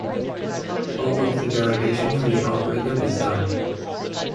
All of the derivation for the algorithm is done.